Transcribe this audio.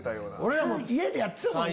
俺らも家でやってたもんな。